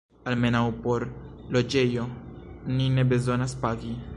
Almenaŭ por loĝejo ni ne bezonas pagi.